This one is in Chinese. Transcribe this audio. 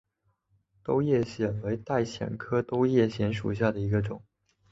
兜叶藓为带藓科兜叶藓属下的一个种。